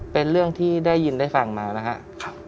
เป็นเรื่องที่ได้ยินได้ฟังมานะครับ